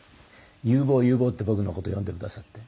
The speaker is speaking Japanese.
「祐坊祐坊」って僕の事呼んでくださって。